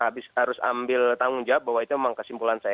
habis harus ambil tanggung jawab bahwa itu memang kesimpulan saya